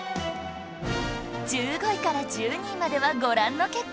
１５位から１２位まではご覧の結果に